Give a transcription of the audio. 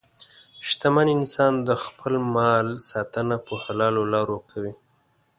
شتمن انسان د خپل مال ساتنه په حلالو لارو کوي.